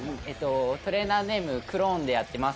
トレーナーネームくろーんでやってます